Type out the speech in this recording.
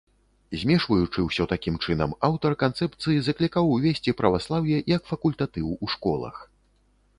Змешваючы ўсё такім чынам, аўтар канцэпцыі заклікаў увесці праваслаўе як факультатыў у школах.